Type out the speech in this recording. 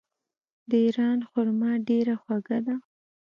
د ایران خرما ډیره خوږه ده.